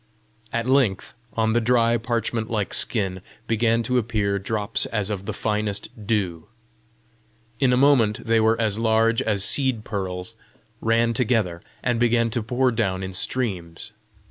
At length, on the dry, parchment like skin, began to appear drops as of the finest dew: in a moment they were as large as seed pearls, ran together, and began to pour down in streams.